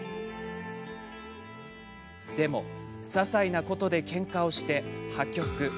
でも、ささいなことでけんかをして、破局。